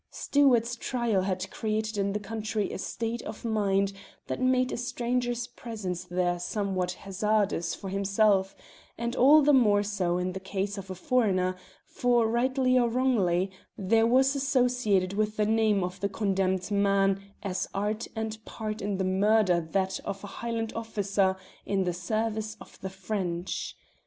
Stewart's trial had created in the country a state of mind that made a stranger's presence there somewhat hazardous for himself, and all the more so in the case of a foreigner, for, rightly or wrongly, there was associated with the name of the condemned man as art and part in the murder that of a Highland officer in the service of the French.